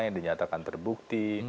yang dinyatakan terbukti